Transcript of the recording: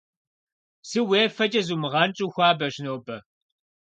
Псы уефэкӏэ зумыгъэнщӏыу хуабэщ нобэ.